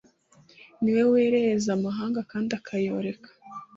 ni we werereza amahanga, kandi akayoreka